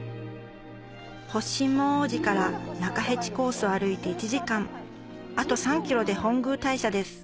発心門王子から中辺路コースを歩いて１時間あと３ｋｍで本宮大社です